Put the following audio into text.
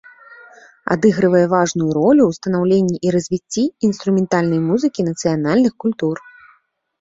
Адыгрывае важную ролю ў станаўленні і развіцці інструментальнай музыкі нацыянальных культур.